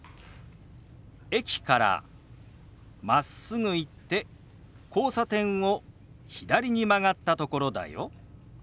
「駅からまっすぐ行って交差点を左に曲がったところだよ」。